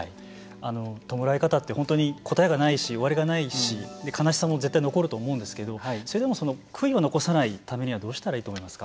弔い方って本当に答えがないし悲しさも絶対残ると思うんですけれどもそれでも悔いを残らないためにはどうしたらいいと思いますか。